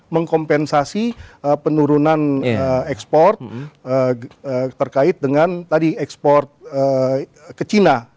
mengkompensasi penurunan ekspor terkait dengan tadi ekspor ke china